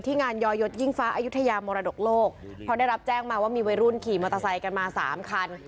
งานยอยศยิ่งฟ้าอายุทยามรดกโลกเพราะได้รับแจ้งมาว่ามีวัยรุ่นขี่มอเตอร์ไซค์กันมาสามคัน